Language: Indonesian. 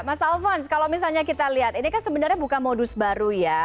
mas alfons kalau misalnya kita lihat ini kan sebenarnya bukan modus baru ya